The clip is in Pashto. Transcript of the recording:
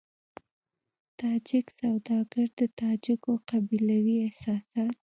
تاجک سوداګر د تاجکو قبيلوي احساسات.